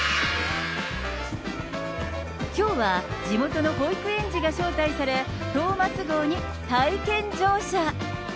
きょうは地元の保育園児が招待され、トーマス号に体験乗車。